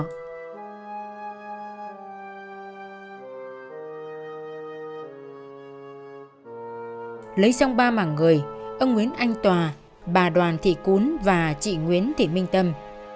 nhưng không hiểu vì lý do gì ông nguyễn anh tòa bà đoàn thị cún và chị nguyễn thị minh tâm